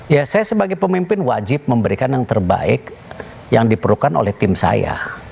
ya saya sebagai pemimpin wajib memberikan yang terbaik yang diperlukan oleh tim saya